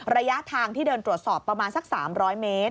ระยะทางที่เดินตรวจสอบประมาณสัก๓๐๐เมตร